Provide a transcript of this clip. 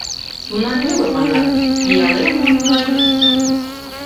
Тунам веле манат: пиалемым мый